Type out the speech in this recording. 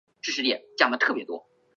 风景因山林开垦而消失